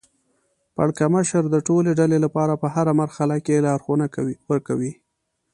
پړکمشر د ټولې ډلې لپاره په هره مرحله کې لارښوونه ورکوي.